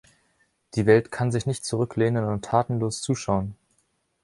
Die Welt kann sich nicht zurücklehnen und tatenlos zuschauen.